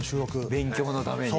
勉強のために。